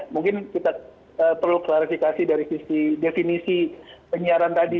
mungkin kita perlu klarifikasi dari sisi definisi penyiaran tadi